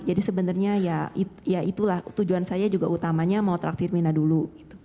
jadi sebenarnya ya itulah tujuan saya juga utamanya mau traktir minna dulu